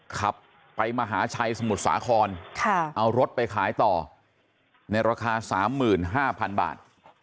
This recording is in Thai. ขับไปมหาชัยสมุทรสาครเอารถไปขายต่อในราคา๓๕๐๐๐บาท